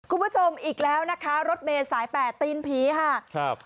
คุณผู้ชมอีกแล้วนะคะรถเมย์สายแปดตีนผีค่ะครับ